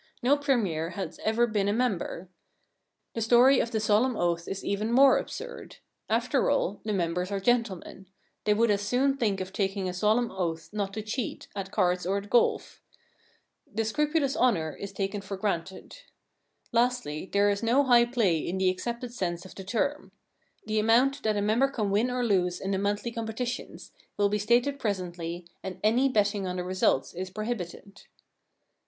No Premier has ever been a member. The story of the solemn oath is even more absurd. After all, the members are gentlemen. They would as soon think of taking a solemn oath not to cheat at cards or at golf. The * scrupulous honour ' is taken for granted. Lastly, there is no high play in the accepted sens,e of the term. The amount that a member can win or lose in the monthly competitions will be stated presently, and any betting on the results is prohibited.